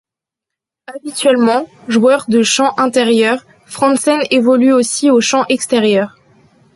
Habituellement joueur de champ intérieur, Frandsen évolue aussi au champ extérieur.